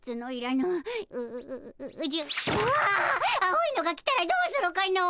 青いのが来たらどうするかの。